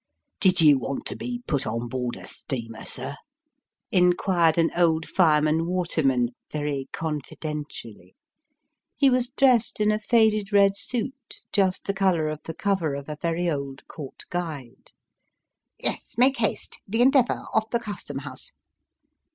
" Did you want to bo put on board a steamer, sir '?" inquired an old fireman waterman, very confidentially. He was dressed in a faded red suit, just the colour of the cover of a very old Court guide. " Yes, make haste the Endeavour off the Custom House."